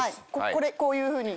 こういうふうに。